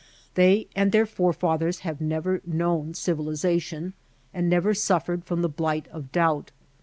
They and their forefathers have never known civilization, and never suffered from the blight of doubt.